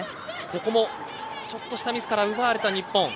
ここもちょっとしたミスから奪われた日本。